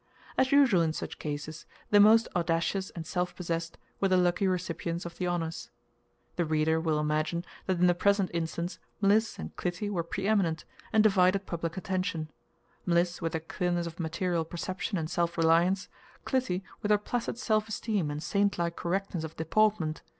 As usual in such cases, the most audacious and self possessed were the lucky recipients of the honors. The reader will imagine that in the present instance Mliss and Clytie were preeminent, and divided public attention; Mliss with her clearness of material perception and self reliance, Clytie with her placid self esteem and saintlike correctness of deportment.